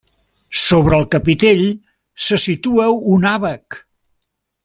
Sobre el capitell se situa un àbac.